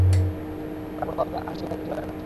তাঁরা বনু আব্দুল আশহালের একটি বাগানে প্রবেশ করলেন।